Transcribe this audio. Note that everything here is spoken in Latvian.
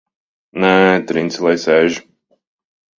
Nē, Trince lai sēž!